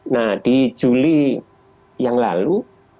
nah di juli yang lalu